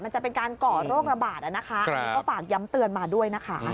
จะเป็นการก่อโรคระบาดนะคะอันนี้ก็ฝากย้ำเตือนมาด้วยนะคะ